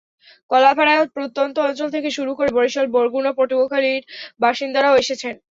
কলাপাড়ার প্রত্যন্ত অঞ্চল থেকে শুরু করে বরিশাল, বরগুনা, পটুয়াখালীর বাসিন্দারাও এসেছেন।